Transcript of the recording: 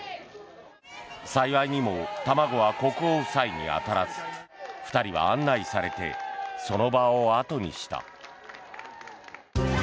幸いにも卵は国王夫妻に当たらず２人は案内されてその場を後にした。